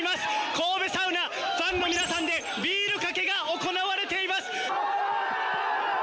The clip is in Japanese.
神戸サウナ、ファンの皆さんでビールかけが行われています。